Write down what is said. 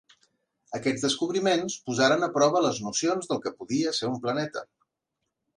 Aquests descobriments posaren a prova les nocions del que podia ser un planeta.